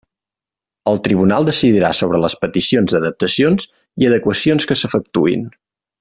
El Tribunal decidirà sobre les peticions d'adaptacions i adequacions que s'efectuïn.